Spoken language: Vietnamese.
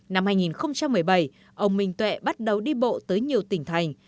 năm hai nghìn một mươi bảy ông minh tuệ bắt đầu đi bộ tới nhiều tỉnh thành